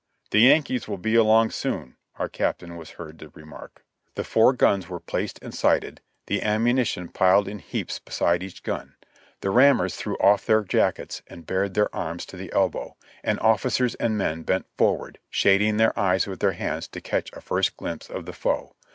"The Yankees will be along soon," our captain was heard to remark. The four guns were placed and sighted, the ammuni 150 JOHNNY REB AND BIIJ^Y YANK tion piled in heaps beside each gun; the rammers threw off their jackets and bared their arms to the elbow, and officers and men bent forward, shading their eyes with their hands to catch a first glimpse of the foe.